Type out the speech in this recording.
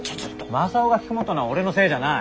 雅夫がひきこもったのは俺のせいじゃない。